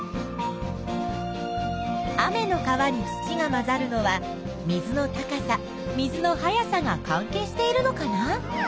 雨の川に土が混ざるのは水の高さ水の速さが関係しているのかな？